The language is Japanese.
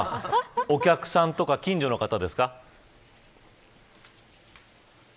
お客さんとか近所の方ですか。